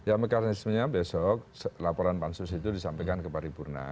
ya mekanismenya besok laporan pansus itu disampaikan ke paripurna